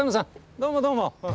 どうもどうも。